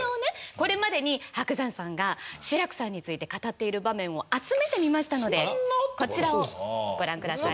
これまでに伯山さんが志らくさんについて語っている場面を集めてみましたのでこちらをご覧ください。